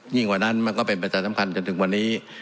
ยิ่งกว่านั้นมันก็เป็นประสาทท่ามการจนถึงวันนี้